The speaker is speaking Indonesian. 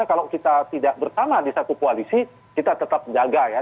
karena kalau kita tidak bersama di satu koalisi kita tetap jaga ya